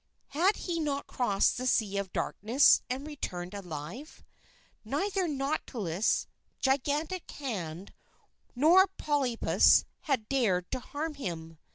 Had he not crossed the Sea of Darkness and returned alive? Neither nautilus, gigantic hand, nor polypus had dared to harm him.